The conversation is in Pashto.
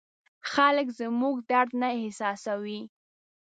خلک زموږ درد نه احساسوي.